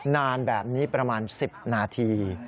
นานแบบนี้ประมาณ๑๐นาที